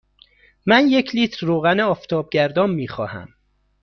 من یک لیتر روغن آفتابگردان می خواهم.